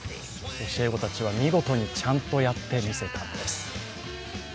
教え子たちは見事にちゃんとやってみせたのです。